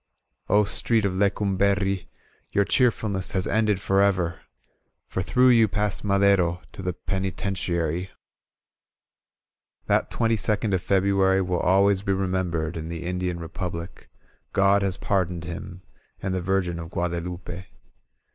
"0 Street of Lecumberri Your cheerfulness has ended forever For through you passed Madero To the Penitentiary. That twenty second of February Wm always be remembered in the Indian Republic. God has pardoned him And the Virgin of GuadeVupe.